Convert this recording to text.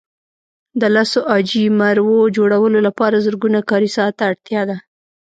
د لسو عاجي مرو جوړولو لپاره زرګونه کاري ساعته اړتیا ده.